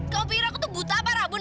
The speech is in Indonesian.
kamu pikir aku tuh buta apa rabun